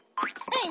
はい！？